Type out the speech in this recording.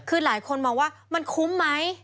คือหลายคนมองว่ามันคุ้มไหม